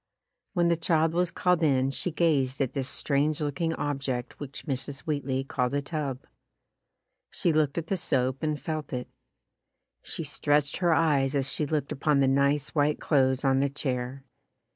When the child was called in she gazed at this strange looking ob ject which Mrs. Wheatley called a tub. She looked at the soap and felt it. She stretched her eyes as she looked upon the nice white clothes on the chair.